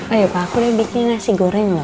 ayuh pak aku udah bikin nasi goreng loh